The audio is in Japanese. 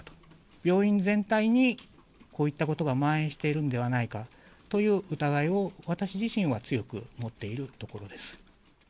病院全体に、こういったことがまん延しているんではないかという疑いを、私自身は強く持っているところです。